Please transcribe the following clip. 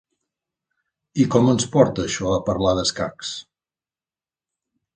I com ens porta això a parlar d’escacs?